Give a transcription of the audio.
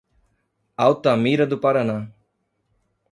Altamira do Paraná